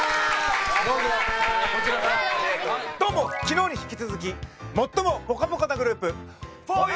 どうも、昨日に引き続き最もポカポカなグループ。